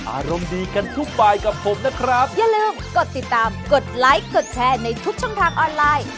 อารมณ์ดีกันทุกบายกับผมนะครับอย่าลืมกดติดตามกดไลค์กดแชร์ในทุกช่องทางออนไลน์